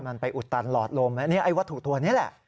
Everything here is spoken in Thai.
มันไปอุดตันหลอดลมอันนี้ไอ้วัตถุตัวนี้แหละ